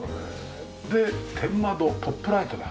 で天窓トップライトだ。